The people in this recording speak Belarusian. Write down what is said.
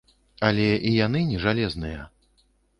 Але і яны не жалезныя.